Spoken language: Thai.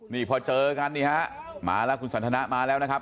นี่พอเจอกันนี่ฮะมาแล้วคุณสันทนามาแล้วนะครับ